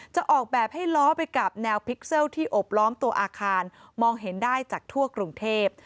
จะออกแบบให้ล้อไปกับแนวพิกเซลที่อบล้อมตัวอาคารมองเห็นได้จากทั่วกรุงเทพ